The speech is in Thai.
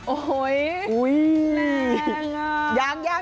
โอ้โหยแม่งอ่ะ